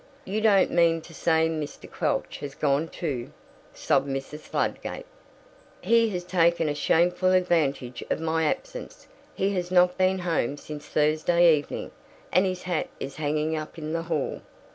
"You don't mean to say Mr. Quelch has gone too?" sobbed Mrs. Fladgate. "He has taken a shameful advantage of my absence. He has not been home since Thursday evening, and his hat is hanging up in the hall."